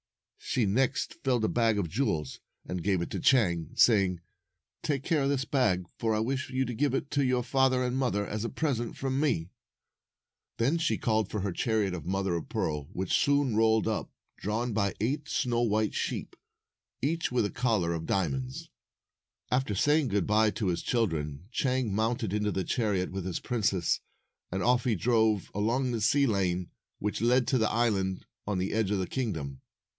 She next filled a bag of jewels, and gave it to Chang, saying, "Take care of this bag, for I wish you to give it to your father and mother as a present from me." 252 Then she called for her chariot of mother of pearl, which soon rolled up, drawn by eight snow white sheep, each with a collar of dia monds. After saying good by to his children, Chang mounted into the chariot with the princess, and off he drove along the sea lane which led to the island on the edge of the kingdom.